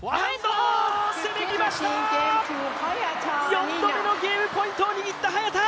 ４度目のゲームポイントを握った早田！